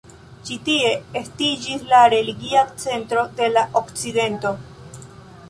Ĉi tie estiĝis la religia centro de la okcidento.